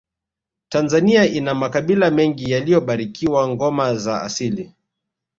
tanzania ina makabila mengi yaliyobarikiwa ngoma za asili